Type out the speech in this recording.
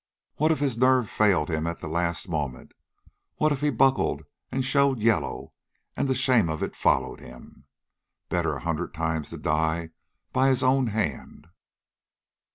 What if his nerve failed him at the last moment? What if he buckled and showed yellow and the shame of it followed him? Better a hundred times to die by his own hand.